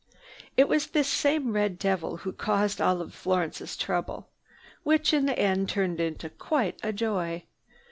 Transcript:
It was this same red devil who caused all of Florence's trouble, which in the end turned into quite a joy.